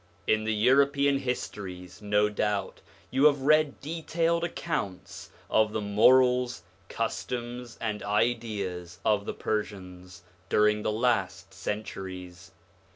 In the European histories, no doubt, you have read detailed accounts of the morals, customs, and ideas of the Persians during the last centuries.